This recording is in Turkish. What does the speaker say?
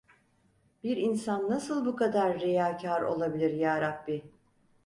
Bir insan nasıl bu kadar riyakar olabilir Yarabbi?